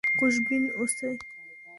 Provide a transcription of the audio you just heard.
خوشبین اوسئ.